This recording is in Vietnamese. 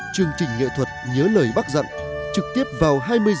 chương trình nghệ thuật nhớ lời bác dặn trực tiếp vào hai mươi h